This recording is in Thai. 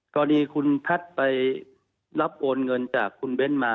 กรณีคุณแพทย์ไปรับโอนเงินจากคุณเบ้นมา